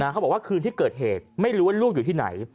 เขาบอกว่าคืนที่เกิดเหตุไม่รู้ว่าลูกอยู่ที่ไหน